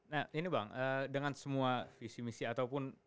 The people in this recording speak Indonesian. nah ini bang dengan semua visi misi ataupun